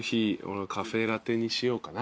俺はカフェラテにしようかな。